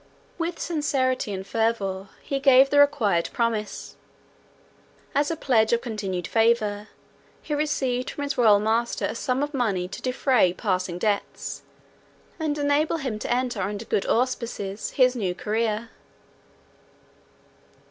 With sincerity and fervour he gave the required promise: as a pledge of continued favour, he received from his royal master a sum of money to defray pressing debts, and enable him to enter under good auspices his new career.